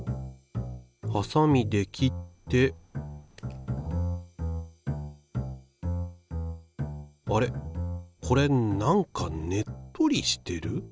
ハサミで切ってあれこれなんかねっとりしてる？